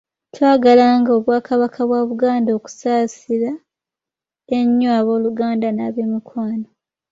Twagala nga Obwakabaka bwa Buganda okusaasira ennyo abooluganda nab’emikwano.